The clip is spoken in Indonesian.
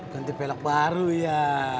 ganti pelek baru ya